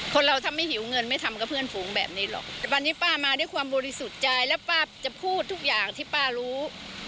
คนเราถ้าไม่หิวเงินไม่ทำกับเพื่อนฝูงแบบนี้หรอกแต่วันนี้ป้ามาด้วยความบริสุทธิ์ใจแล้วป้าจะพูดทุกอย่างที่ป้ารู้